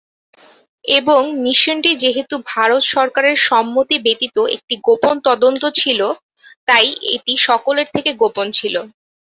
এবং মিশনটি যেহেতু ভারত সরকারের সম্মতি ব্যতীত একটি গোপন তদন্ত ছিল, তাই এটি সকলের থেকে গোপন ছিল।